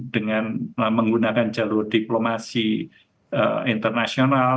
dengan menggunakan jalur diplomasi internasional